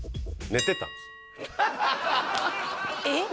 えっ？